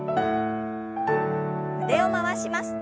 腕を回します。